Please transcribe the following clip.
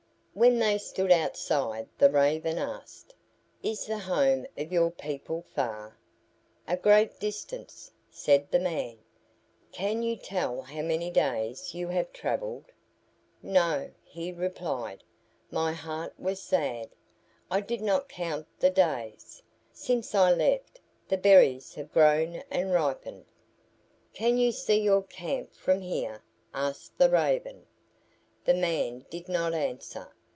When they stood outside the Raven asked, "Is the home of your people far?" "A great distance," said the man. "Can you tell how many days you have travelled?" "No," he replied, "my heart was sad; I did not count the days. Since I left, the berries have grown and ripened." "Can you see your camp from here?" asked the Raven. The man did not answer.